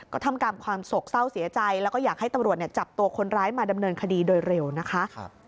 ก็ทำกลางความโศกเศร้าเสียใจแล้วก็อยากให้ตำรวจจับตัวคนร้ายมาดำเนินคดีโดยเร็วนะคะ